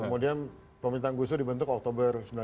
kemudian pemerintahan gusu dibentuk oktober